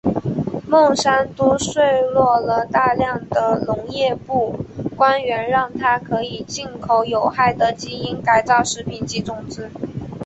孟山都贿赂了大量的农业部官员让它可以进口有害的基因改造食品及种子。